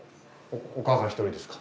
おかあさん一人ですか？